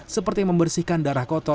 seperti membersihkan darah